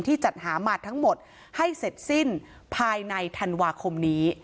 จัดหาหมาดทั้งหมดให้เสร็จสิ้นภายในธันวาคมนี้